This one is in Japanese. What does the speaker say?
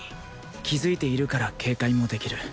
気づいているから警戒もできる